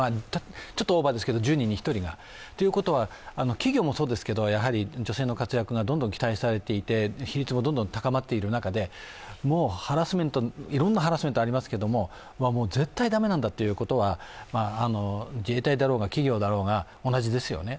ちょっとオーバーですけど１０人に１人、ということは、企業もそうですけど、やはり女性の活躍がどんどん期待されていて比率もどんどん高まっている中で、いろいろなハラスメントがありますけど、絶対駄目なんだということは自衛隊だろうが企業だろうが同じですよね。